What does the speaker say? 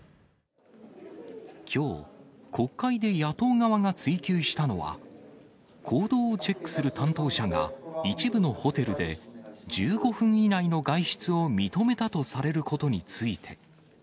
きょう、国会で野党側が追及したのは、行動をチェックする担当者が、一部のホテルで１５分以内の外出を認めたとされることについて。